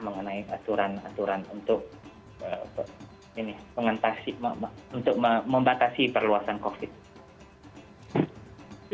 mengenai aturan aturan untuk membatasi perluasan covid